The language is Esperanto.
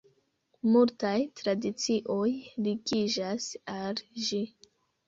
Multaj tradicioj ligiĝas al ĝi.